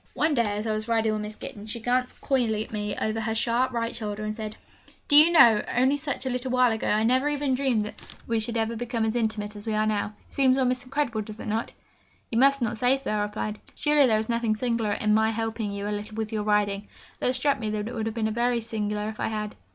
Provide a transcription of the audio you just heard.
One day, as I was riding with Miss Gittens, she glanced coyly at me over her sharp right shoulder, and said, 'Do you know, only such a little while ago, I never even dreamed that we should ever become as intimate as we are now; it seems almost incredible, does it not?' 'You must not say so,' I replied. 'Surely there is nothing singular in my helping you a little with your riding?' Though it struck me that it would have been very singular if I had.